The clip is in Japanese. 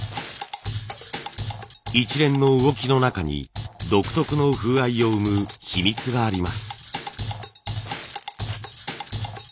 一連の動きの中に独特の風合いを生む秘密があります。